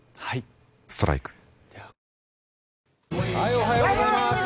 おはようございます。